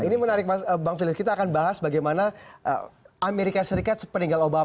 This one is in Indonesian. ini menarik bang philip kita akan bahas bagaimana amerika serikat sepeninggal obama